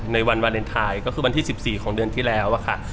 ในวันวาเลนไทยก็คือวันที่๑๔ของเดือนที่แล้วค่ะ